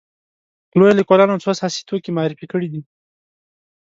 لویو لیکوالو څو اساسي توکي معرفي کړي دي.